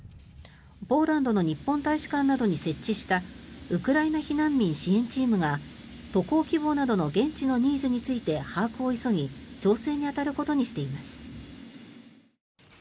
ポーランドの日本大使館などに設置したウクライナ避難民支援チームが渡航希望などの現地のニーズについて把握を急ぎ調整に当たることにしています。